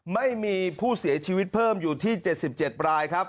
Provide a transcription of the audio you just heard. ไม่มีผู้เสียชีวิตเพิ่มอยู่ที่๗๗รายครับ